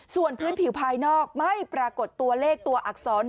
ส่วนพื้นผิวภายนอกไม่ปรากฏตัวเลขตัวอักษร